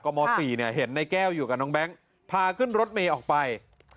ม๔เนี่ยเห็นในแก้วอยู่กับน้องแบงค์พาขึ้นรถเมย์ออกไป